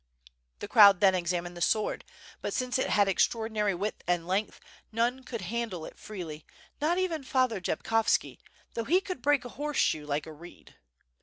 The crowd then examined the sword, but since it had ex traordinary width and length, none could handle it freely, not even Father Jabkovski, though he could break a horse shoe like a reed.